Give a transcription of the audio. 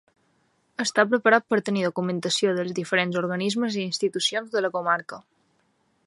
Està preparat per tenir documentació dels diferents organismes i institucions de la comarca.